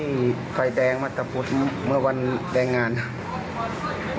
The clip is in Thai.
มีไฟแดงมาตะพุทธเมื่อวันแรงงานครับ